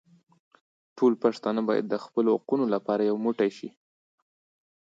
ټول پښتانه بايد د خپلو حقونو لپاره يو موټي شي.